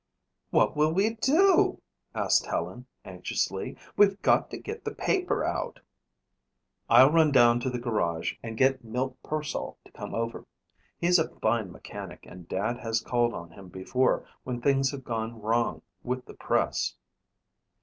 "What will we do?" asked Helen anxiously. "We've got to get the paper out." "I'll run down to the garage and get Milt Pearsall to come over. He's a fine mechanic and Dad has called on him before when things have gone wrong with the press."